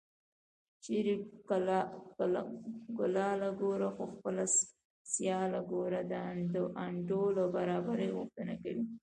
چېرې کلاله ګوره خو خپله سیاله ګوره د انډول او برابرۍ غوښتنه کوي